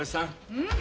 うん。